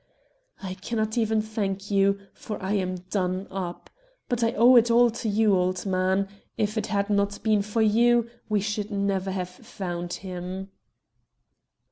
"I cannot even thank you, for I am done up. But I owe it all to you, old man. If it had not been for you we should never have found him."